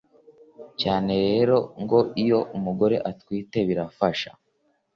cyane rero ngo iyo umugore atwite birafasha